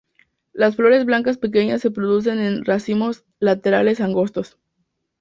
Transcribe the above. Las flores blancas pequeñas se producen en racimos laterales angostos.